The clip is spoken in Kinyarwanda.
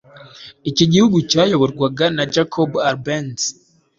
iki gihugu cyayoborwaga na jacobo arbenz